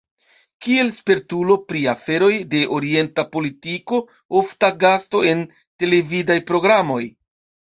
Kiel spertulo pri aferoj de orienta politiko ofta gasto en televidaj programoj.